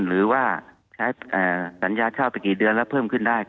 หรือว่าใช้สัญญาเช่าไปกี่เดือนแล้วเพิ่มขึ้นได้